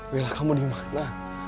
bella kamu dimana